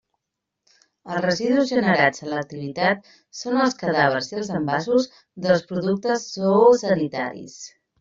Els residus generats a l'activitat són els cadàvers i els envasos dels productes zoosanitaris.